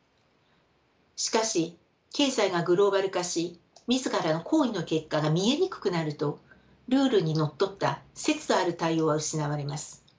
しかし経済がグローバル化し自らの行為の結果が見えにくくなるとルールにのっとった節度ある対応は失われます。